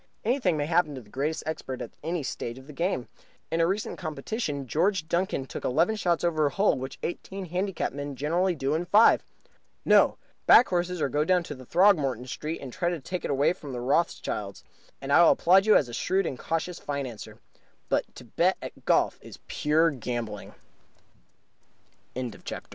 Anything may happen to the greatest expert at any stage of the game. In a recent competition George Duncan took eleven shots over a hole which eighteen handicap men generally do in five. No! Back horses or go down to Throgmorton Street and try to take it away from the Rothschilds, and I will applaud you as a shrewd and cautiou